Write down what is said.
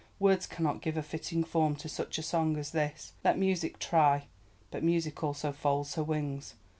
words cannot give a fitting form to such a song as this. Let music try! But music also folds her wings.